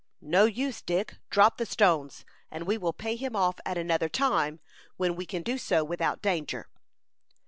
"No use, Dick; drop the stones, and we will pay him off at another time, when we can do so without danger."